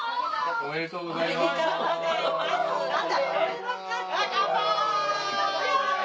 ・おめでとうございます・カンパイ！